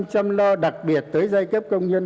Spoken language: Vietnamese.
chăm lo đặc biệt tới giai cấp công nhân